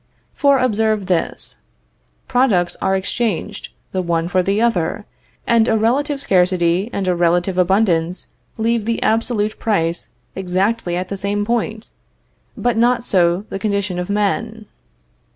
For observe this: Products are exchanged, the one for the other, and a relative scarcity and a relative abundance leave the absolute price exactly at the same point, but not so the condition of men.